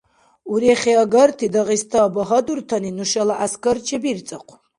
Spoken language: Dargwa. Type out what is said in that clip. Урехиагарти Дагъиста багьадуртани нушала гӀяскар чебирцӀахъу.